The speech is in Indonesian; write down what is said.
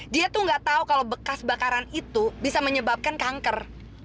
dia tuh nggak tahu kalau bekas bakaran itu bisa menyebabkan kanker